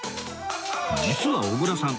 実は小倉さん